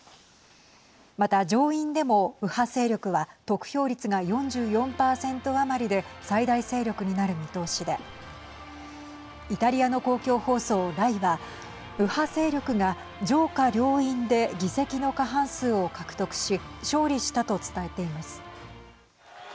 また、上院でも右派勢力は得票率が４４％余りで最大勢力になる見通しでイタリアの公共放送ＲＡＩは右派勢力が上下両院で議席の過半数を獲得し勝利したと伝えています。